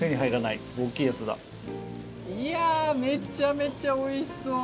いやあめちゃめちゃおいしそう！